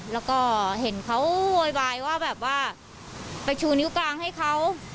แล้วก็เห็นเขาโวยวายว่าแบบว่าไปชูนิ้วกลางให้เขา